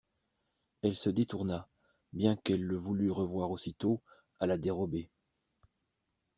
Elle se détourna, bien qu'elle le voulût revoir aussitôt, à la dérobée.